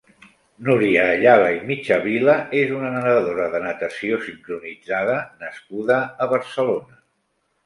Núria Ayala i Mitjavila és una nedadora de natació sincronitzada nascuda a Barcelona.